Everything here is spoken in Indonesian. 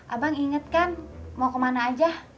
abang inget kan mau kemana aja